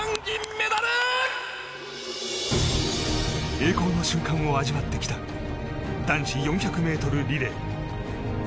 栄光の瞬間を味わってきた男子４００ｍリレー。